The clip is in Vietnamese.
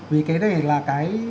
vì cái này là cái